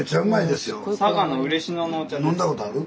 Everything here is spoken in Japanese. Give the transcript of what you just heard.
飲んだことある？